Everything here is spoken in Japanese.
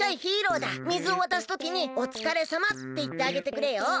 水を渡すときに「おつかれさま」っていってあげてくれよ。